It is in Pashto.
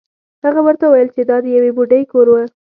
هغه ورته وویل چې دا د یوې بوډۍ کور و.